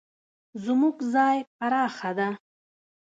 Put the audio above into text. زموږ ځای پراخه ده